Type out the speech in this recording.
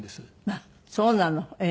あっそうなの。